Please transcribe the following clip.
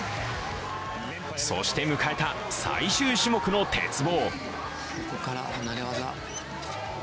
そして迎えた最終種目の鉄棒。